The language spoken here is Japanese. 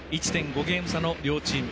１．５ゲーム差の両チーム。